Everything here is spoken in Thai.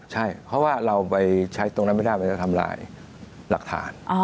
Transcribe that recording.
ใช่เพราะว่าเราไปใช้ตรงนั้นไม่ได้มันจะทำลายหลักฐาน